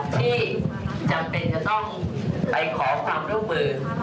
ที่จำเป็นจะต้องไปขอความร่วมมือ